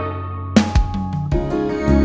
sini kita mulai mencoba